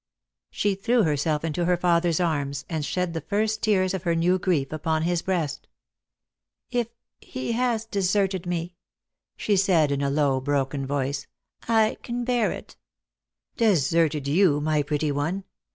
She threw herself into her father's arms, and shed the first tears of her new grief upon his breast. " If he has deserted me," she said in a low broken voice, " I can bear it." " Deserted you, my pretty one